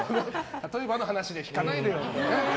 例えばの話で引かないでよ。